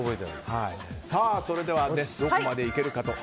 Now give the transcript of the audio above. それでは、どこまでいけるか。